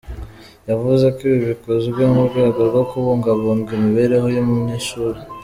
Yavuze ko ibi bikozwe mu rwego rwo kubungabunga imibereho y’ umunyeshuri.